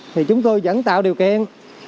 thì chúng tôi vẫn tạo điều kiện